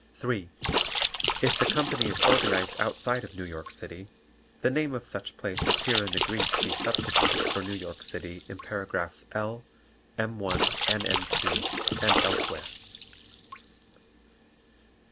(3) If the company is organized outside of New York City, the name of such place is herein agreed to be substituted for New York City in paragraphs L, M 1 and M 2 and elsewhere.